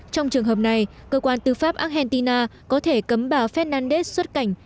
trong trường hợp này cơ quan tư pháp argentina có thể cấm bà fedandez xuất cảnh